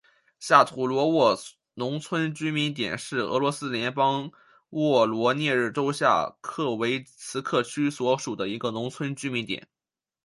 下图罗沃农村居民点是俄罗斯联邦沃罗涅日州下杰维茨克区所属的一个农村居民点。